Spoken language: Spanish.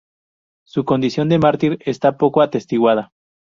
Su condición de mártir está poco atestiguada.